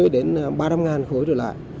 năm mươi đến ba trăm linh ngàn khối trở lại